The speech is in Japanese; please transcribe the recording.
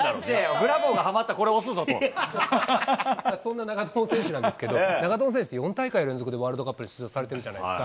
ブラボーがはまった、これ推そんな長友選手なんですけど、長友選手、４大会連続でワールドカップに出場されてるじゃないですか。